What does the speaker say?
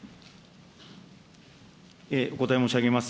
お答え申し上げます。